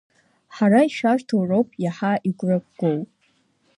Иаҳа ишәарҭоу роуп иаҳа игәрагоу.